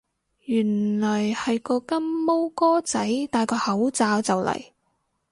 原來係個金毛哥仔戴個口罩就嚟